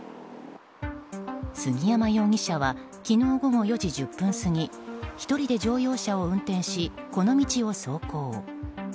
杉山容疑者は昨日午後４時１０分過ぎ１人で乗用車を運転しこの道を走行。